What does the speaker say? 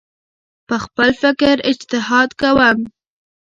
په خپل فکر اجتهاد کوم